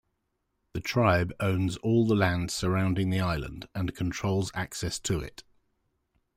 The tribe owns all the land surrounding the island and controls access to it.